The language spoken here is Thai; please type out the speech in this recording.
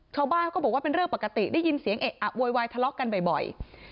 ชาวบ้านเขาบอกว่าเป็นเรื่องปกติได้ยินเสียงเอะอะโวยวายทะเลาะกันบ่อย